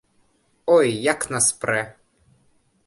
Ой, як нас прэ!